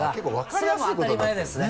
それはもう当たり前ですね。